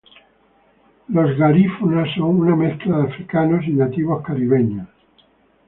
Los garífunas son una mezcla de africanos y nativos caribeños.